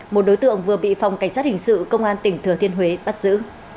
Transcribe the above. một đối tượng vừa bị phòng cảnh sát hình sự công an tỉnh thừa thiên huế bắt giữ